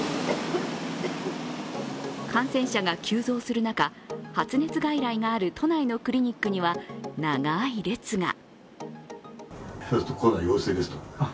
感染者が急増する中、発熱外来がある都内のクリニックには長い列が。